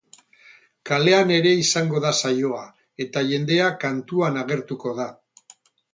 Kalean ere izango da saioa, eta jendea kantuan agertuko da.